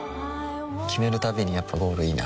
決めるたびにやっぱゴールいいなってふん